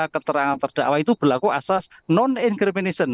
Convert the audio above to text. keterangan terdakwa itu berlaku asas non incrimination